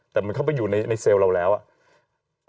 แต่มันเข้าไปอยู่ในเซลล์เราแล้วอ่ะ